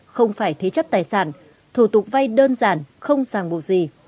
không phải thế chấp tài sản thủ tục vay đơn giản không sàng bộ gì